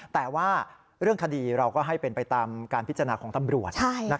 แต่ว่าเรื่องคดีเราก็ให้เป็นไปตามการพิจารณาของตำรวจ